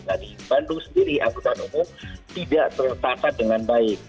nah di bandung sendiri angkutan umum tidak tercatat dengan baik